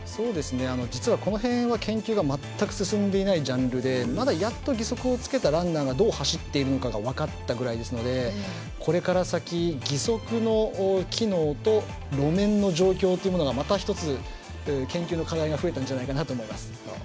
実はこの辺は研究が全く進んでいないジャンルで、やっと義足をつけたランナーがどう走っているのか分かったぐらいですのでこれから先、義足の機能と路面の状況というものがまた１つ研究の課題が増えたんじゃないかなと思います。